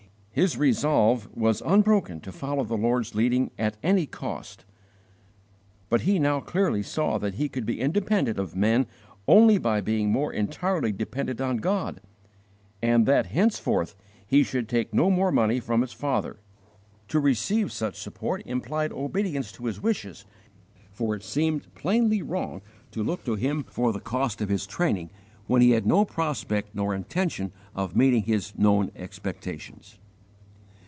His resolve was unbroken to follow the Lord's leading at any cost, but he now clearly saw that he could be _independent of man only by being more entirely dependent on God, and that henceforth he should take no more money from his father._ To receive such support implied obedience to his wishes, for it seemed plainly wrong to look to him for the cost of his training when he had no prospect nor intention of meeting his known expectations.